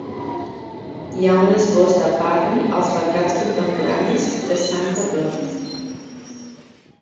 Hi ha un esbós de Parny als "Retrats contemporanis" de Sainte-Beuve.